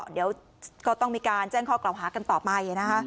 เดี๋ยวก็ต้องมีการแจ้งข้อกล่าวหากันต่อไปนะคะ